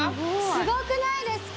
すごくないですか？